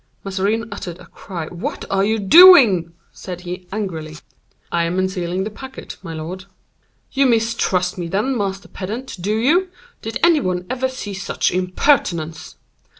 Mazarin uttered a cry. "What are you doing?" said he, angrily. "I am unsealing the packet, my lord." "You mistrust me, then, master pedant, do you? Did any one ever see such impertinence?"